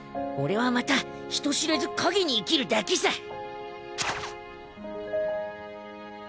俺はまた人知れずかげに生きるだけさ！